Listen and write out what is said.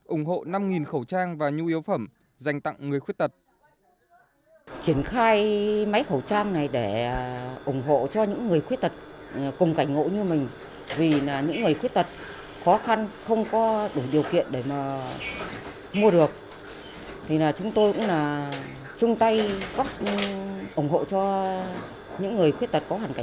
ủng hộ năm khẩu trang và nhu yếu phẩm dành tặng người khuyết tật